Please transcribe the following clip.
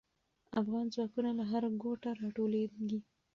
افغان ځواکونه له هر ګوټه راټولېږي.